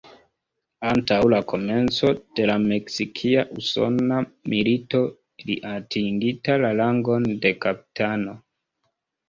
Antaŭ la komenco de la Meksikia-Usona Milito, li atingita la rangon de kapitano.